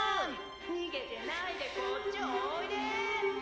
・逃げてないでこっちおいでぇ！